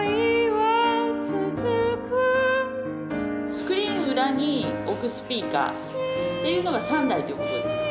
スクリーン裏に置くスピーカーというのが３台ということですか。